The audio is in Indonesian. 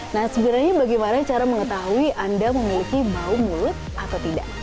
nah sebenarnya bagaimana cara mengetahui anda memiliki bau mulut atau tidak